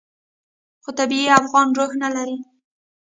خو طبیعي افغاني روح نه لري.